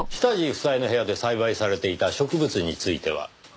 下地房江の部屋で栽培されていた植物については？